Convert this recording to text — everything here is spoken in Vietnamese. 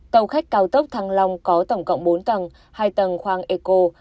tàu khách cao tốc thăng long có tổng cộng bốn tầng hai tầng khoang eco